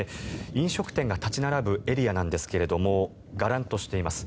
飲食店が立ち並ぶエリアなんですががらんとしています。